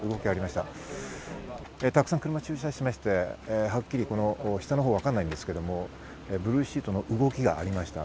たくさん車が駐車していまして、はっきり下のほうはわかんないんですけど、ブルーシートの動きがありました。